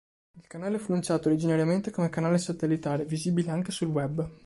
Il canale fu lanciato originariamente come canale satellitare, visibile anche sul Web.